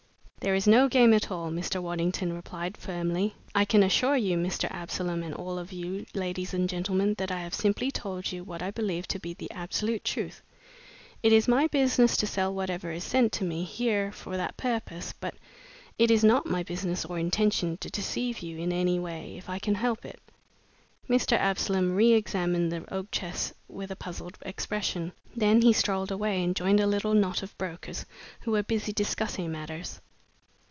"There is no game at all," Mr. Waddington replied firmly. "I can assure you, Mr. Absolom, and all of you, ladies and gentlemen, that I have simply told you what I believe to be the absolute truth. It is my business to sell whatever is sent to me here for that purpose, but it is not my business or intention to deceive you in any way, if I can help it." Mr. Absolom re examined the oak chest with a puzzled expression. Then he strolled away and joined a little knot of brokers who were busy discussing matters.